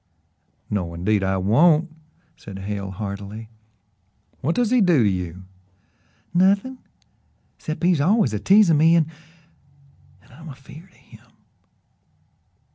"No, indeed, I won't," said Hale heartily. "What does he do to you?" "Nothin' 'cept he's always a teasin' me, an' an' I'm afeered o' him."